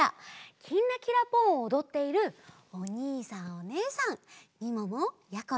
「きんらきらぽん」をおどっているおにいさんおねえさんみももやころ